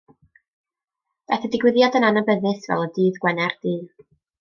Daeth y digwyddiad yn adnabyddus fel Y Dydd Gwener Du.